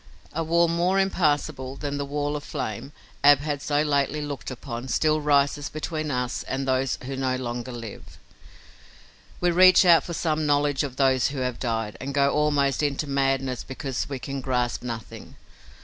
A wall more impassable than the wall of flame Ab had so lately looked upon still rises between us and those who no longer live. We reach out for some knowledge of those who have died, and go almost into madness because we can grasp nothing.